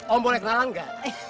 om boleh kenalan ga